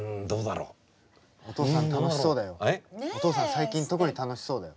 最近特に楽しそうだよ。